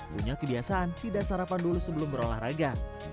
punya kebiasaan tidak sarapan dulu sebelum berolahraga